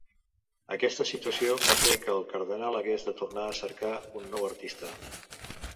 Aquesta situació va fer que el cardenal hagués de tornar a cercar un nou artista.